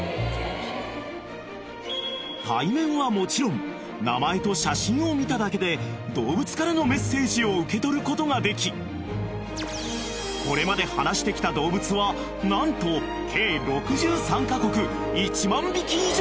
［対面はもちろん名前と写真を見ただけで動物からのメッセージを受け取ることができこれまで話してきた動物は何と計６３カ国１万匹以上］